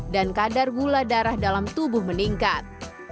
dan kadar gula darah dalam tubuh meningkat